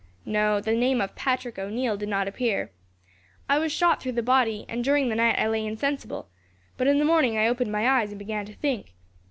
"No; the name of Patrick O'Neil did not appear. I was shot through the body, and during the night I lay insensible, but in the morning I opened my eyes and began to think.